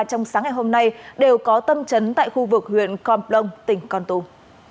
trong sáng ngày hôm nay đều có tâm trấn tại khu vực huyện con plong tỉnh con tùm